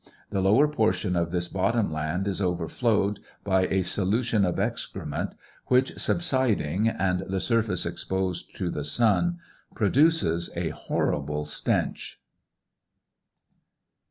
The lower portion of this bottom land is overflowed by a solution of excrement, which subsiding and the sur face exposed to the sun produces a horrible stench.